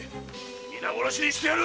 皆殺しにしてやる！